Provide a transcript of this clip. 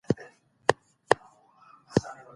سياسي فکرونه بايد د جمود کنګل مات کړي.